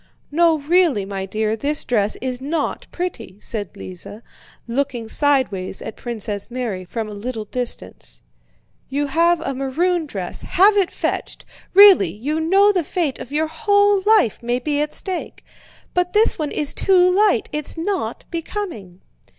"No really, my dear, this dress is not pretty," said Lise, looking sideways at Princess Mary from a little distance. "You have a maroon dress, have it fetched. Really! You know the fate of your whole life may be at stake. But this one is too light, it's not becoming!"